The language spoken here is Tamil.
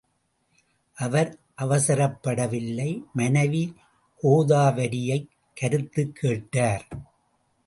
அவர் அவசரப்படவில்லை மனைவி கோதாவரியைக் கருத்துக் கேட்டார்.